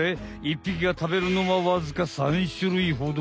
ぴきがたべるのはわずか３種類ほど。